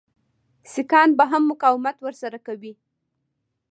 سیکهان به هم مقاومت ورسره کوي.